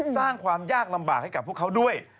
สร้างความยากลำบากให้กับพวกเขาด้วย